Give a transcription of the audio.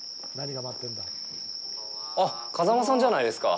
あっ、風間さんじゃないですか！